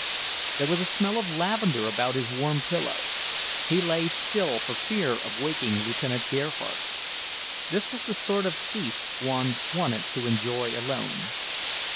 There was a smell of lavender about his warm pillow. He lay still for fear of waking Lieutenant Gerhardt. This was the sort of peace one wanted to enjoy alone.